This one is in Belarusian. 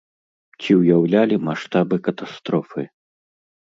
Ці ўяўлялі маштабы катастрофы?